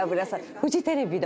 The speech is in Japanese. フジテレビの。